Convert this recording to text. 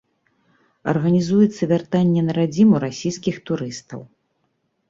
Арганізуецца вяртанне на радзіму расійскіх турыстаў.